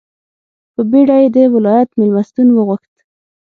په بېړه یې د ولایت مېلمستون وغوښت.